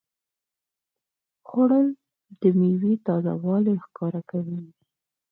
خوړل د میوې تازهوالی ښکاره کوي